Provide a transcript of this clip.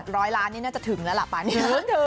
ร้อยล้านนี่น่าจะถึงแล้วล่ะป่านี้